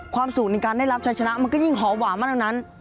ความสุขในการได้รับชัดชนะมันก็ยิ่งหอบหว่ามากนั้น